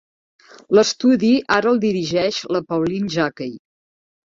L'estudi ara el dirigeix la Pauline Jacquey.